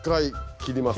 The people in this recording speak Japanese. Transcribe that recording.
切ります。